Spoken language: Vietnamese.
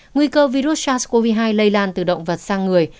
nguy cơ virus sars cov hai lây lan từ động vật sang người